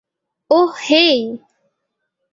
ওহ, হেই!